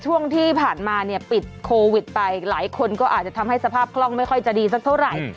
ช่วงที่ผ่านมาเนี่ยปิดโควิดไปหลายคนก็อาจจะทำให้สภาพคล่องไม่ค่อยจะดีสักเท่าไหร่